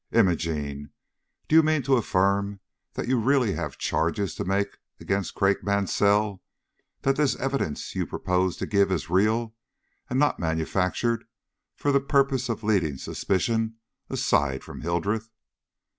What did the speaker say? "Imogene, do you mean to affirm that you really have charges to make against Craik Mansell; that this evidence you propose to give is real, and not manufactured for the purpose of leading suspicion aside from Hildreth?"